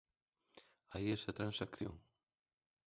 ¿Hai esa transacción?